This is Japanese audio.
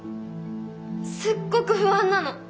すっごく不安なの。